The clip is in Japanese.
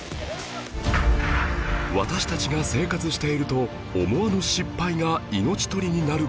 私たちが生活していると思わぬ失敗が命取りになる事も